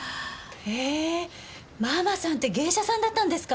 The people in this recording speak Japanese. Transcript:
へえママさんって芸者さんだったんですか。